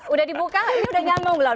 udah dibuka ini udah nyamuk lho